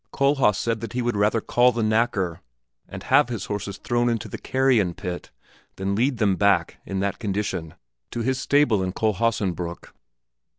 Kohlhaas said that he would rather call the knacker and have his horses thrown into the carrion pit than lead them back, in that condition, to his stable at Kohlhaasenbrück.